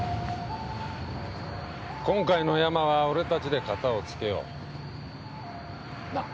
今回のヤマは俺たちで片をつけようなっ！